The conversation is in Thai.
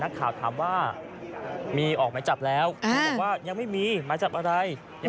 นักขาวทำว่ามีออกมีจับแล้วอ่ายังไม่มีมาจับอะไร